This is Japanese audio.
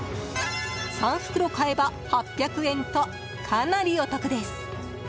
３袋買えば８００円とかなりお得です。